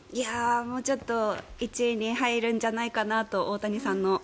ちょっと１位に入るんじゃないかと大谷さんに。